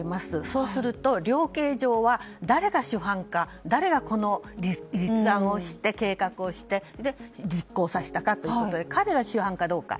そうすると、量刑上は誰が主犯か誰がこれを立案して、計画して実行させたかということで彼が主犯かどうか。